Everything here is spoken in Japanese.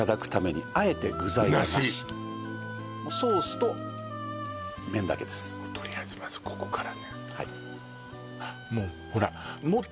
とりあえずまずここからねはいあっ